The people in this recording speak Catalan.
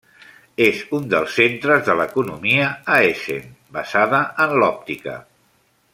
És un dels centres de l'economia a Hessen, basada en l'òptica.